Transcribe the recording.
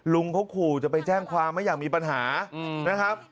ลุงเขาขู่จะไปแจ้งความไม่อยากมีปัญหานะครับ